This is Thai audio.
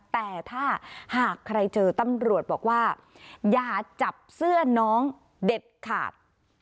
แต่ถ้าหากใครเจอตำรวจบอกว่าอย่าจับเสื้อน้องเด็ดขาด